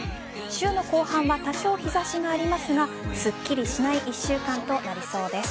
週の後半は多少日差しがありますがすっきりしない一週間となりそうです。